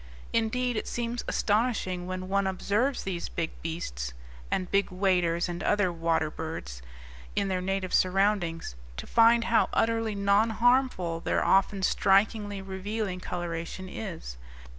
Indeed, it seems astonishing, when one observes these big beasts and big waders and other water birds in their native surroundings, to find how utterly non harmful their often strikingly revealing coloration is.